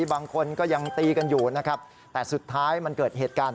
บางคนก็ยังตีกันอยู่นะครับแต่สุดท้ายมันเกิดเหตุการณ์